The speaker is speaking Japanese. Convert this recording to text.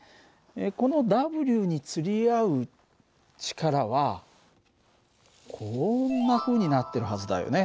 このＷにつり合う力はこんなふうになってるはずだよね。